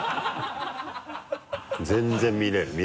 全然見れる。